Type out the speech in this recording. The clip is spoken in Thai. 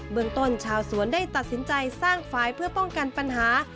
เมืองต้นชาวสวนได้ตัดสินใจสร้างฝ่ายเพื่อป้องกันปัญหา